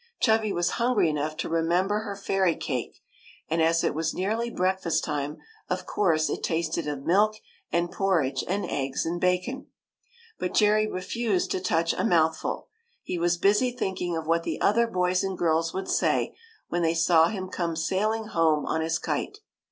Chubby was hungry enough to remember her fairy cake ; and as it was nearly breakfast time, of course it tasted of milk and porridge and eggs and bacon. But Jerry refused to touch a mouthful. He was busy thinking of what the other boys and girls would say, when they saw him come sailing home on his kite.